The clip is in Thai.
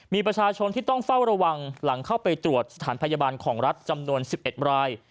มีประชาชนที่ต้องเฝ้าระวังหลังเข้าไปตรวจสถานพยาบาลของรัฐจำนวน๑๑ราย